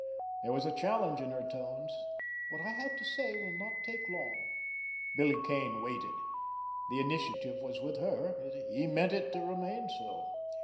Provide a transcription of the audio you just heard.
There was a challenge in her tones. "What I have to say will not take long." Billy Kane waited. The initiative was with her. He meant it to remain so.